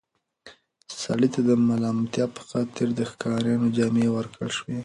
سړي ته د ملامتیا په خاطر د ښکاریانو جامې ورکړل شوې.